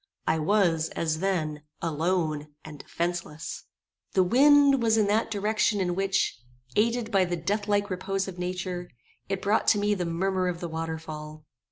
I was, as then, alone, and defenceless. The wind was in that direction in which, aided by the deathlike repose of nature, it brought to me the murmur of the water fall.